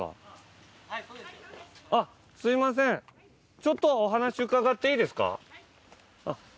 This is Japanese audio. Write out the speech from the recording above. ちょっとお話伺っていいですか？